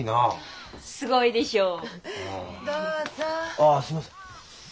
ああすみません。